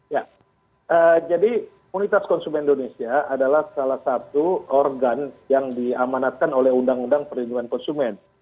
ya jadi komunitas konsumen indonesia adalah salah satu organ yang diamanatkan oleh undang undang perlindungan konsumen